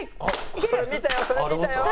「それ見たよそれ見たよ」。